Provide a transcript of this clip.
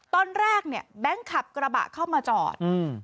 ตอนแรกเนี่ยแบงค์ขับกระบะเข้ามาจอดอืม